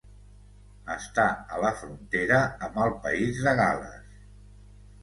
Està a la frontera amb el país de Gal·les.